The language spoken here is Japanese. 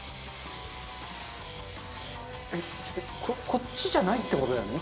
こっちじゃないってことだよね。